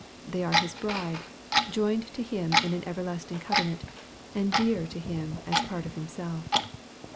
They are His bride, joined to Him in an everlasting covenant, and dear to Him as part of Himself.